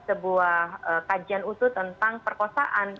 sebuah kajian utuh tentang perkosaan